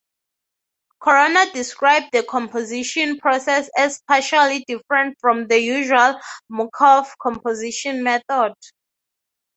Corona described the composition process as partially different from the usual Murcof composition method.